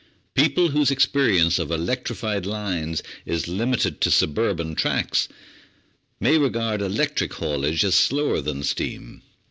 People whose experience of electrified lines is limited to suburban tracks may regard electric haulage as slower than steam.